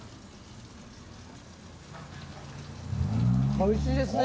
おいしいですね。